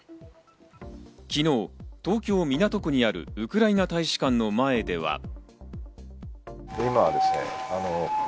昨日、東京・港区にあるウクライナ大使館の前では。